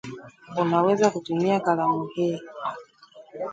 Unaweza kutumia kalamu hii